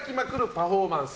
パフォーマンス